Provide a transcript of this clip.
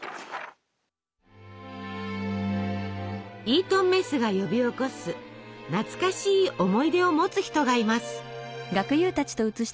イートンメスが呼び起こす懐かしい思い出を持つ人がいます。